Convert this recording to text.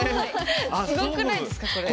すごくないですかこれ。